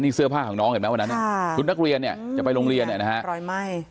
นี่เสื้อผ้าของน้องเห็นไหมวันนั้นคุณนักเรียนจะไปโรงเรียนนะครับ